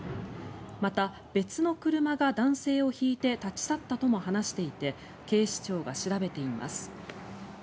また、別の車が男性をひいて立ち去ったとも話していて警視庁が調べています。